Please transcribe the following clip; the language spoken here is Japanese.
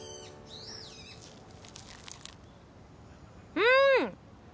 うん！